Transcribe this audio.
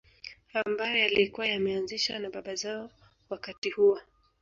Ambayo yalikuwa yameanzishwa na baba zao wakati huo